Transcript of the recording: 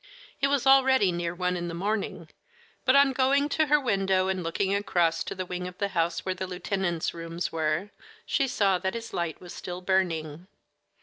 It was already near one in the morning, but on going to her window, and looking across to the wing of the house where the lieutenant's rooms were, she saw that his light was still burning.